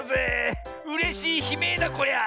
うれしいひめいだこりゃ。